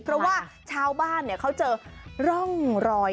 เพราะว่าชาวบ้านเขาเจอร่องรอย